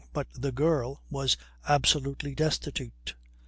But the girl was absolutely destitute.